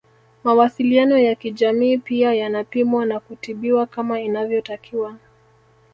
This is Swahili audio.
Mawasiliano ya kijamii pia yanapimwa na kutibiwa kama inavyotakiwa